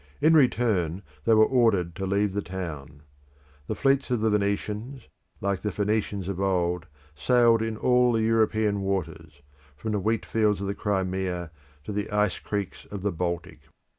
In return they were ordered to leave the town. The fleets of the Venetians, like the Phoenicians of old, sailed in all the European waters, from the wheat fields of the Crimea to the ice creeks of the Baltic.